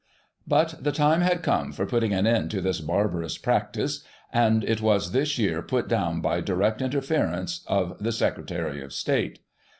But the time had come for putting an end to this barbarous practice, and it was this year put down by direct interference of the Secretary of State.